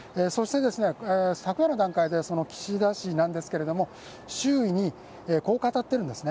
昨夜の段階で岸田氏なんですけれども、周囲にこう語っているんですね。